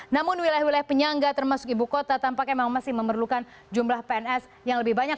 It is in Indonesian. namun wilayah wilayah penyangga termasuk ibu kota tampaknya memang masih memerlukan jumlah pns yang lebih banyak